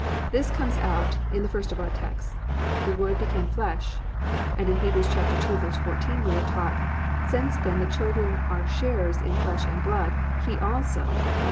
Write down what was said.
This comes out in the first of our texts, +"The Word Became Flesh,"+ and in Hebrews 2:14 we are taught +"Since then the children are sharers in flesh and blood, he also+ (i.